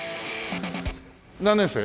何年生？